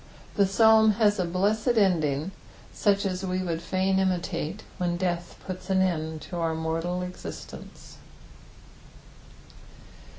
The Psalm has a blessed ending, such as we would fain imUate when death puts an end to our mortal existence.